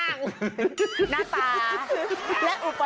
หน้าตา